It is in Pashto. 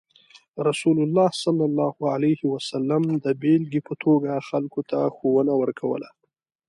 رسول الله صلى الله عليه وسلم د بیلګې په توګه خلکو ته ښوونه ورکوله.